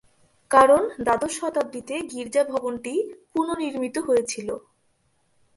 কারণ দ্বাদশ শতাব্দীতে গির্জা ভবনটি পুনর্নির্মিত হয়েছিল।